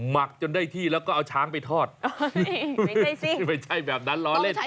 ต้องใช้กระทะใหญ่ขนาดนั้น